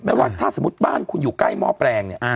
แม้ว่าถ้าสมมติบ้านคุณอยู่ใกล้หม้อแปลง